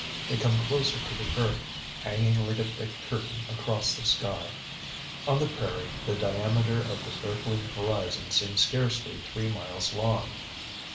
They come closer to the earth, hanging like a thick curtain across the sky. On the prairie the diameter of the circling horizon seems scarcely three miles long.